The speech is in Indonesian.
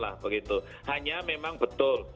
hanya memang betul